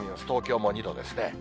東京も２度ですね。